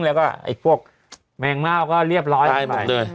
แล้วก็พวกแม่งเม่าก็เรียบร้อยขึ้นไป